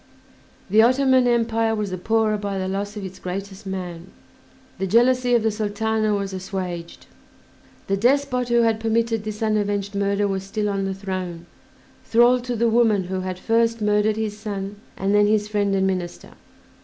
The Ottoman Empire was the poorer by the loss of its greatest man, the jealousy of the Sultana was assuaged, the despot who had permitted this unavenged murder was still on the throne, thrall to the woman who had first murdered his son and then his friend and minister.